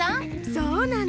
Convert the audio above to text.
そうなの。